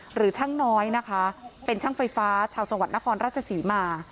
หรือช่างน้อยนะคะเป็นช่างไฟฟ้าชาวจังหวัดนครราชศรีมา